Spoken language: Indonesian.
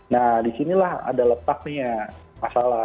nah disinilah ada letaknya masalah